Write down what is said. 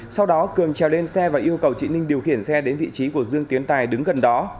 sau đó cường treo lên xe và yêu cầu chị ninh điều khiển xe đến vị trí của dương tiến tài đứng gần đó